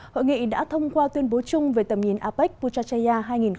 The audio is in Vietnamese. hội nghị đã thông qua tuyên bố chung về tầm nhìn apec puchachaya hai nghìn bốn mươi